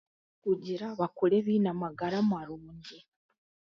kugira bakure biine amagara marungi.